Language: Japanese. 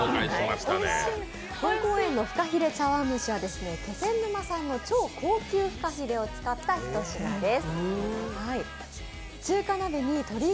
香港園のフカヒレ茶碗蒸しは気仙沼産の超高級ふかひれを使ったひと品です。